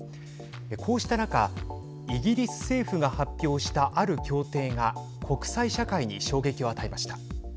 こうした中イギリス政府が発表したある協定が国際社会に衝撃を与えました。